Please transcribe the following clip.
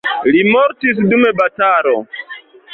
Li mortis dum batalo.